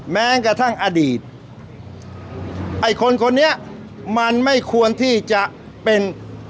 แม้กระทั่งอดีตไอ้คนคนนี้มันไม่ควรที่จะเป็น